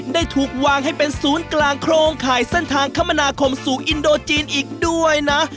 ได้ถูกวางให้เป็นศูนย์กลางโครงข่ายเส้นทางคมนาคมสู่อินโดจีนอีกด้วยนะ